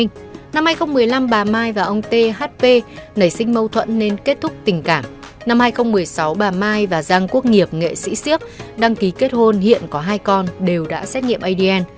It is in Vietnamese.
năm hai nghìn một mươi năm bà mai và ông thp nảy sinh mâu thuẫn nên kết thúc tình cảm năm hai nghìn một mươi sáu bà mai và giang quốc nghiệp nghệ sĩ siếc đăng ký kết hôn hiện có hai con đều đã xét nghiệm adn